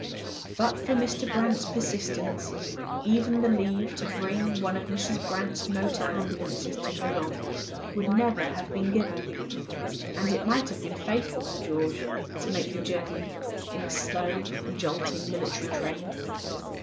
But for Mr. Brant's persistence even the leave to bring one of Mrs. Brant's motor ambulances to Doullens would never have been given; and it might have been fatal to George to make the journey in a slow and jolting military train.